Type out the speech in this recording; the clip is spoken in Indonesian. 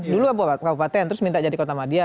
dulu kabupaten terus minta jadi kota madia